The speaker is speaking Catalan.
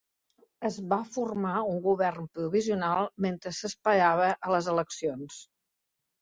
Es va formar un govern provisional mentre s'esperava a les eleccions.